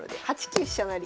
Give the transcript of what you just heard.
８九飛車成。